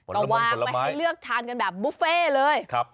ก็วางไปให้เลือกทานกันแบบบุฟเฟ่เลย